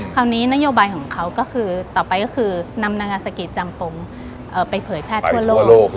คราวนี้นโยบายของเขาก็คือต่อไปก็คือนำนางอัศกิจจำปงไปเผยแพร่ทั่วโลก